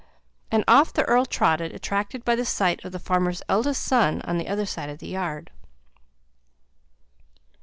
And off the earl trotted, attracted by the sight of the farmer's eldest son on the other side of the yard.